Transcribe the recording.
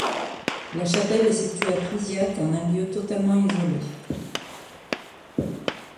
La chapelle est située à Priziac en un lieu totalement isolé.